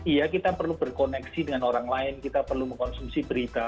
iya kita perlu berkoneksi dengan orang lain kita perlu mengkonsumsi berita